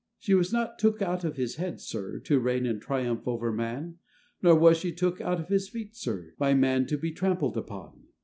She was not took out of his head, sir, To reign and triumph over man; Nor was she took out of his feet, sir, By man to be trampled upon.